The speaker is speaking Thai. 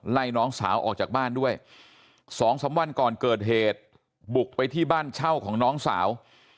น้องสาวออกจากบ้านด้วย๒๓วันก่อนเกิดเหตุบุกไปที่บ้านเช่าของน้องสาว